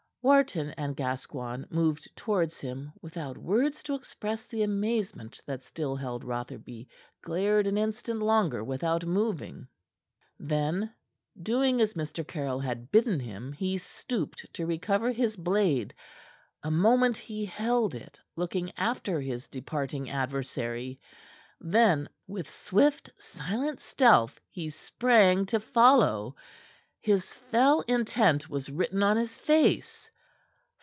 Wharton and Gascoigne moved towards him, without words to express the amazement that still held Rotherby glared an instant longer without moving. Then, doing as Mr. Caryll had bidden him, he stooped to recover his blade. A moment he held it, looking after his departing adversary; then with swift, silent stealth he sprang to follow. His fell intent was written on his face.